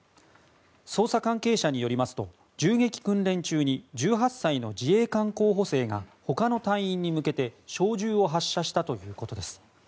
捜査関係者によりますと銃撃訓練中に１８歳の自衛官候補生が他の隊員に向けて小銃を発射したということです。